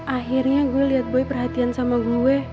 akhirnya gue liat boy perhatian sama gue